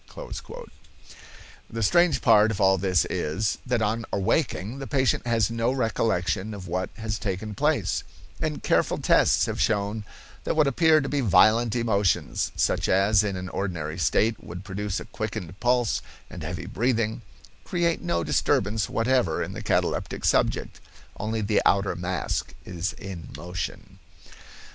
The strange part of all this is, that on awaking, the patient has no recollection of what has taken place, and careful tests have shown that what appear to be violent emotions, such as in an ordinary state would produce a quickened pulse and heavy breathing, create no disturbance whatever in the cataleptic subject; only the outer mask is in motion.